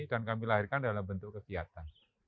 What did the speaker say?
dan kami lahirkan dalam bentuk kegiatan